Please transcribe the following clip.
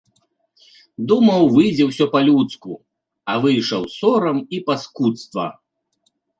Думаў, выйдзе ўсё па-людску, а выйшаў сорам і паскудства.